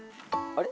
あれ？